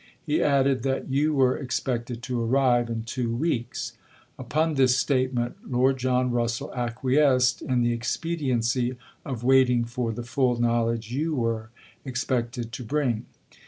He added , that you were expected to arrive in two weeks. Upon this statement Lord John Russell acquiesced in the ex pediency of waiting for the full knowledge you were expected to bring.